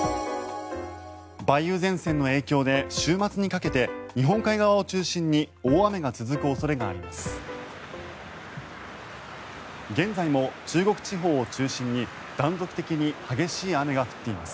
梅雨前線の影響で週末にかけて日本海側を中心に大雨が続く恐れがあります。